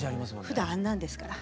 ふだんあんなんですから。